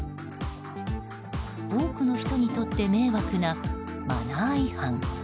多くの人にとって迷惑なマナー違反。